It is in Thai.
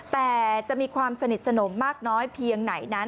แต่จะมีความสนิทสนมมากน้อยเพียงไหนนั้น